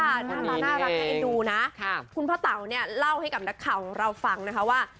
หน้าตาน่ารักน่าเอ็นดูนะคุณพ่อเต๋าเนี่ยเล่าให้กับนักข่าวของเราฟังนะคะว่า